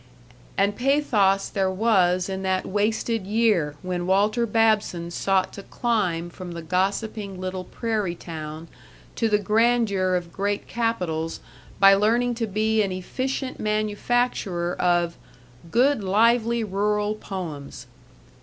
And pathos there was in that wasted year when Walter Babson sought to climb from the gossiping little prairie town to the grandeur of great capitals by learning to be an efficient manufacturer of "good, lively rural poems."